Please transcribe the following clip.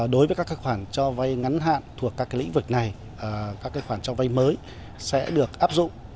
đối với các khoản cho vay ngắn hạn thuộc các lĩnh vực này các khoản cho vay mới sẽ được áp dụng